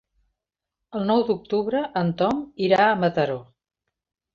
El nou d'octubre en Tom irà a Mataró.